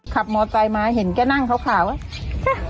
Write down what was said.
ขับมอเตรียมมาเห็นแก่นั่งขาวอะ